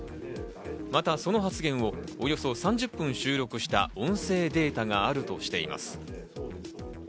またその発言をおよそ３０分収録した音声データがあるとしています。